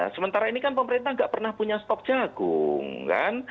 sementara ini kan pemerintah nggak pernah punya stok jagung kan